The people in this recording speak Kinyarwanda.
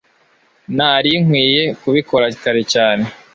Nari nkwiye kubikora kare cyane.